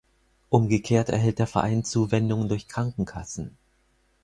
Umgekehrt erhält der Verein Zuwendungen durch Krankenkassen.